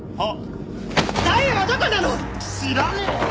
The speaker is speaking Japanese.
あっ！